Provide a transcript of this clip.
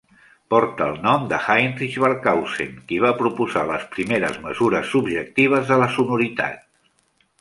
Porta el nom de Heinrich Barkhausen qui va proposar les primeres mesures subjectives de la sonoritat.